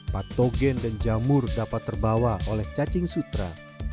patogen dan jamur dapat terbawa oleh cacing sutra